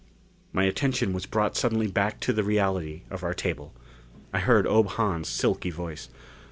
My attention was brought suddenly back to the reality of our table. I heard Ob Hahn's silky voice.